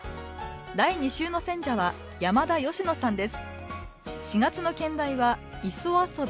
第２週の選者は山田佳乃さんです。